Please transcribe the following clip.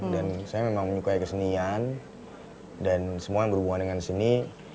dan saya memang menyukai kesenian dan semuanya berhubungan dengan seni